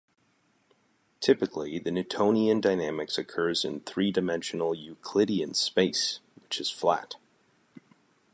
Typically, the Newtonian dynamics occurs in a three-dimensional Euclidean space, which is flat.